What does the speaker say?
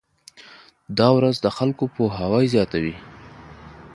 دا ورځ د خلکو پوهاوی زیاتوي.